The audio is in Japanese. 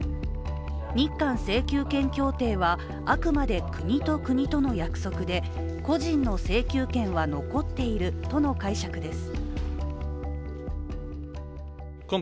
日韓請求権協定は、あくまで国と国との約束で個人の請求権は残っているとの解釈です。